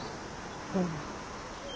うん。